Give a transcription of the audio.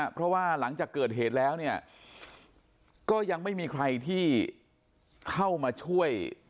เพราะว่าหลังจากเกิดเหตุแล้วเนี่ยก็ยังไม่มีใครที่เข้ามาช่วย